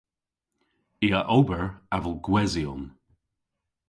I a ober avel gwesyon.